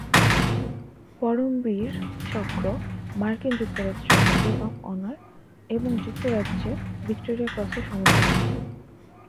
পরমবীর চক্র মার্কিন যুক্তরাষ্ট্রের medal of honour এবং যুক্তরাজ্যের ভিক্টোরিয়া ক্রসের সমতুল্য।